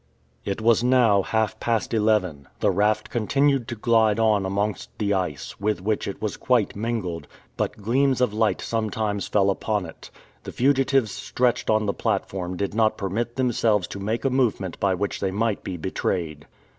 It was now half past eleven. The raft continued to glide on amongst the ice, with which it was quite mingled, but gleams of light sometimes fell upon it. The fugitives stretched on the platform did not permit themselves to make a movement by which they might be betrayed.